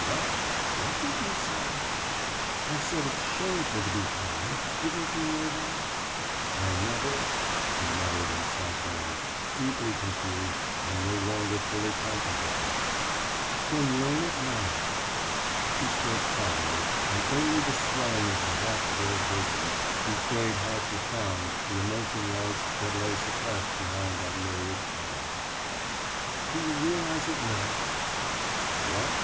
»What what did you say?« »I said it's shameful to be fine. Didn't you know that?« »I never « he muttered, and sat down, deeply confused and no longer fully conscious of her. »Then learn it now.« She spoke calmly, and only the swelling of her half bared bosom betrayed how profound the emotion was that lay suppressed behind that myriad cry. »Do you realise it now?« »What?